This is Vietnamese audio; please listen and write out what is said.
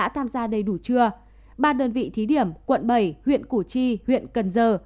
tham gia đầy đủ chưa ba đơn vị thí điểm quận bảy huyện củ chi huyện cần giờ